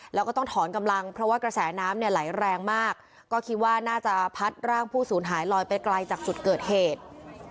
แล้วก็ต้องถอนกำลังเพราะว่ากระแสน้ำเนี่ยไหลแรงมากก็คิดว่าน่าจะพัดร่างผู้สูญหายลอยไปไกลจากจุดเกิดเหตุ